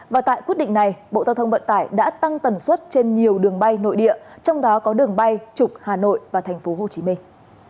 và tại quyết định này bộ giao thông vận tải đã tăng tần suất trên nhiều đường bay nội địa trong đó có đường bay trục hà nội và thành phố hồ chí minh